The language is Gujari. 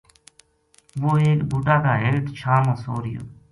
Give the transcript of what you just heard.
وہ ایک بوٹا کا ہیٹھ چھاں ما سو رہیو